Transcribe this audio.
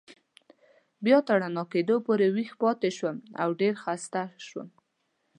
بیا تر رڼا کېدو پورې ویښ پاتې شوم او ډېر و خسته شوم.